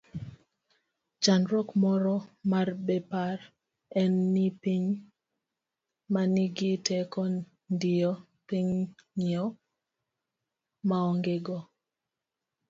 chandruok moro mar Bepar en ni pinye manigi teko diyo pinyego maongego